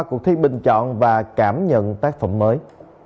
cuộc thi bình chọn và cảm nhận tác phẩm mới